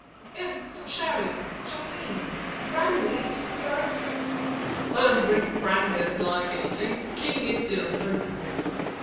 "Yes. Some sherry champagne brandy if you prefer it." "Let them drink brandy as like it, and kin' git it drinkable.